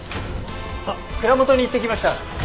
蔵元に行ってきました。